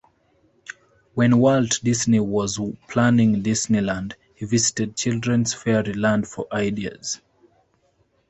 When Walt Disney was planning Disneyland, he visited Children's Fairyland for ideas.